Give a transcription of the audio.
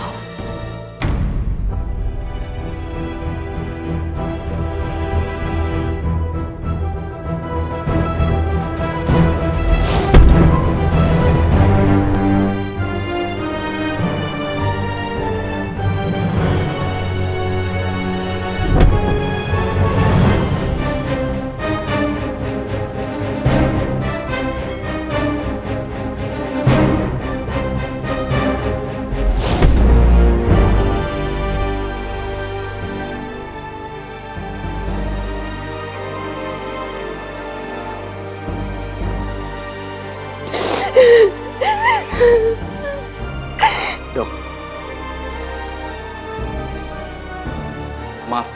aku mau perempuan